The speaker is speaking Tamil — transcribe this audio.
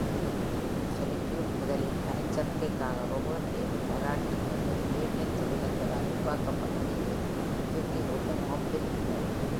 Solitude முதலில் பனிச்சறுக்குக்காக Robert M. Barrett என்ற யுரேனியத் தொழிலதிபரால் உருவாக்கப்பட்டது, இது Utah-இல் உள்ள Moab-இல் உள்ளது.